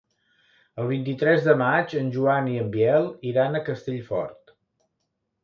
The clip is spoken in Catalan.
El vint-i-tres de maig en Joan i en Biel iran a Castellfort.